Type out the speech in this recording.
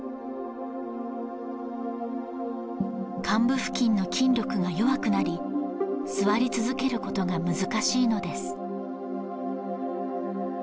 患部付近の筋力が弱くなり座り続けることが難しいのです